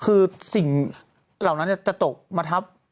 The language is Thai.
คือสิ่งเหล่านั้นจะตกมาทับ